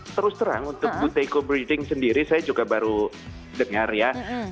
terus terang untuk buteko brieding sendiri saya juga baru dengar ya